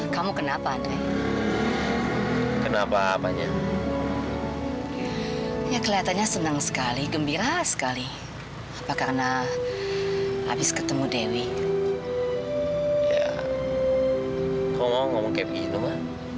sampai jumpa di video selanjutnya